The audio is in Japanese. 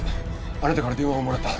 あなたから電話をもらった。